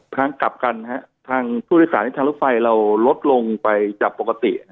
ถ้างเกลับกันทุกที่สารทางรถไฟเราลดลงไปจากปกติ